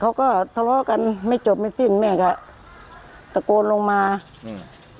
เขาก็ทะเลาะกันไม่จบไม่สิ้นแม่ก็ตะโกนลงมานี่